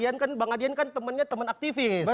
eh abang adian kan temannya teman aktivis